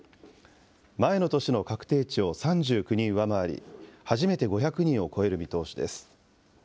前の年の確定値を３９人上回り、初めて５００人を超える見通しです。